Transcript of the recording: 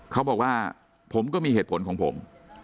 เขาบอกว่าผมก็มีเหตุผลของผม